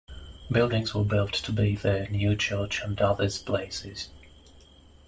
Buildings were built to be the new church and others places.